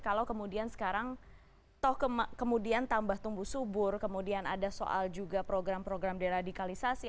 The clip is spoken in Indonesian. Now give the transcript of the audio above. kalau kemudian sekarang toh kemudian tambah tumbuh subur kemudian ada soal juga program program deradikalisasi